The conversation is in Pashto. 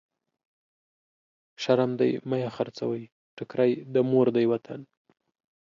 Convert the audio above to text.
شرم دی مه يې خرڅوی، ټکری د مور دی وطن.